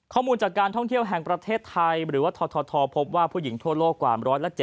ข้อมูลจากการท่องเที่ยวแห่งประเทศไทยหรือว่าททพบว่าผู้หญิงทั่วโลกกว่า๑๗๐